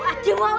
wak jum mau ya